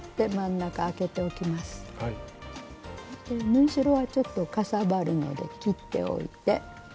縫い代はちょっとかさばるので切っておいて。